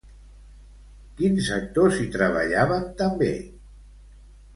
Quins actors hi treballaven també?